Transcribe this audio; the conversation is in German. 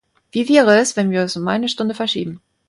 Wie wäre es, wenn wir es um eine Stunde verschieben?